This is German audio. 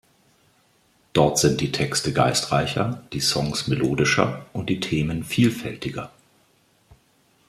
Dort sind die Texte geistreicher, die Songs melodischer und die Themen vielfältiger.